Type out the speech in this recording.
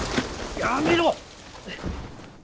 やめろ！